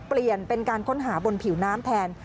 เปลี่ยนเป็นการค้นหาบนผิวน้ำแทน